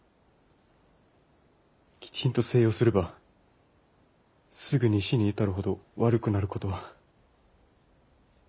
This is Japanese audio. きちんと静養すればすぐに死に至るほど悪くなることは。